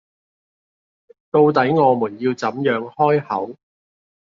到底我們要怎樣開口？